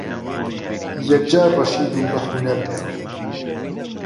یەگجار ڕەشید و بە حو نەرە